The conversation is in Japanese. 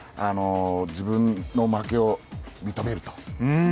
自分の負けを認めると。